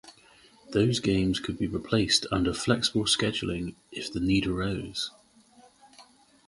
Those games could be replaced under flexible scheduling if the need arose.